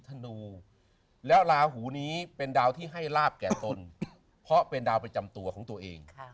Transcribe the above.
ธนูแล้วลาหูนี้เป็นดาวที่ให้ลาบแก่ตนเพราะเป็นดาวประจำตัวของตัวเอง